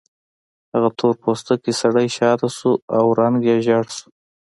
هغه تور پوستکی سړی شاته شو او رنګ یې ژیړ شو